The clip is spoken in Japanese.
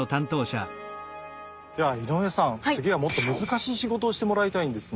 では井上さん次はもっと難しい仕事をしてもらいたいんですが。